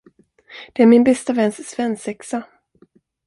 Det är min bästa väns svensexa.